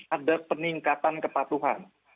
ada peningkatan kepatuhan